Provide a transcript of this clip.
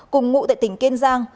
cùng ngụ tại tỉnh kiên giang